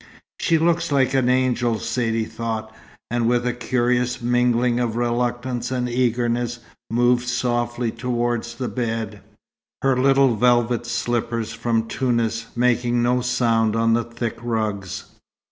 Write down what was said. "She looks like an angel," Saidee thought, and with a curious mingling of reluctance and eagerness, moved softly toward the bed, her little velvet slippers from Tunis making no sound on the thick rugs.